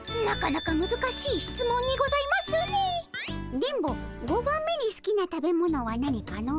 電ボ５番目にすきな食べ物は何かの？